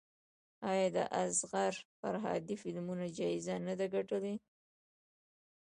آیا د اصغر فرهادي فلمونه جایزې نه دي ګټلي؟